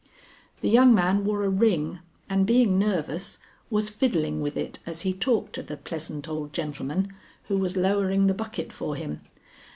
The young man wore a ring, and, being nervous, was fiddling with it as he talked to the pleasant old gentleman who was lowering the bucket for him.